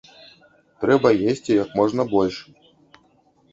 Трэба есці як можна больш.